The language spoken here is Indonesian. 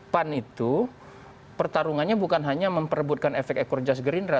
pan itu pertarungannya bukan hanya memperebutkan efek ekor jas gerindra